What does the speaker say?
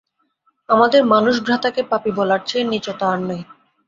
আমাদের মানুষ-ভ্রাতাকে পাপী বলার চেয়ে নীচতা আর নাই।